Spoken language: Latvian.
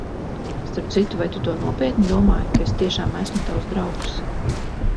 Starp citu, vai tu to nopietni domāji, ka es tiešām esmu tavs draugs?